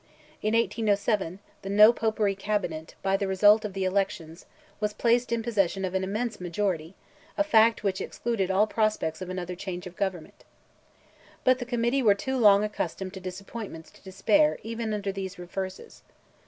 In 1807, the "No Popery Cabinet," by the result of the elections, was placed in possession of an immense majority—a fact which excluded all prospects of another change of government. But the Committee were too long accustomed to disappointments to despair even under these reverses.